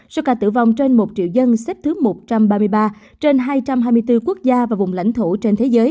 số ca tử vong trên một triệu dân xếp thứ một trăm ba mươi ba trên hai trăm hai mươi bốn quốc gia và vùng lãnh thổ trên thế giới